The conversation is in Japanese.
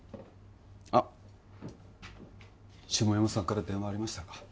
あっ下山さんから電話ありましたか？